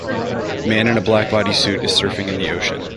Man in a black bodysuit is surfing in the ocean.